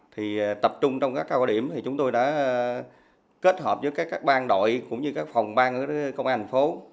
thì tập trung trong các cao điểm thì chúng tôi đã kết hợp với các ban đội cũng như các phòng ban ở công an thành phố